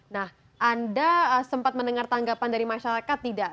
nah anda sempat mendengar tanggapan dari masyarakat tidak